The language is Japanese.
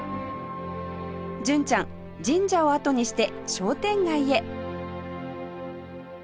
純ちゃん神社をあとにして商店街へ